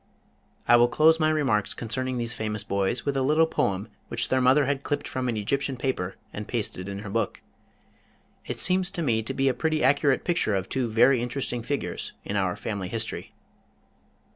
I will close my remarks concerning these famous boys with a little poem which their mother had clipped from an Egyptian paper and pasted in her book. It seems to me to be a pretty accurate picture of two very interesting figures in our family history.